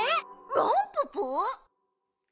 ランププ！？